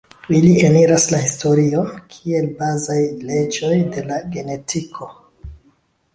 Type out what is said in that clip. Ili eniras la historion kiel bazaj leĝoj de la genetiko.